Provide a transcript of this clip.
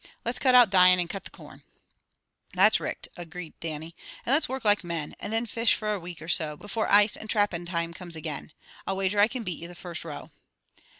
Let's cut out dyin', and cut corn!" "That's richt," agreed Dannie. "And let's work like men, and then fish fra a week or so, before ice and trapping time comes again. I'll wager I can beat ye the first row."